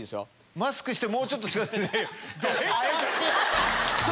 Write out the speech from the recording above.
マスクしてもうちょっと近寄ってください。